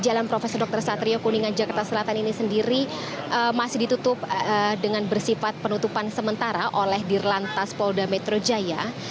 jalan prof dr satrio kuningan jakarta selatan ini sendiri masih ditutup dengan bersifat penutupan sementara oleh dirlantas polda metro jaya